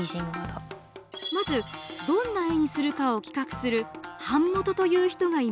まずどんな絵にするかを企画する版元という人がいます。